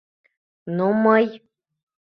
— Но, мый!